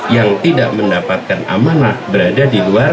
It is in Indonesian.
yang tidak mendapatkan amanah berada di luar